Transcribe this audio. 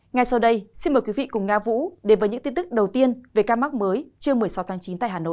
ngay sau đây xin mời quý vị cùng nga vũ đến với những tin tức đầu tiên về ca mắc mới trưa một mươi sáu tháng chín tại hà nội